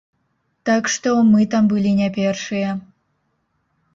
Так што мы там былі не першыя.